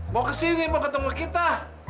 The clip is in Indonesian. mau kesini mau ketemu kita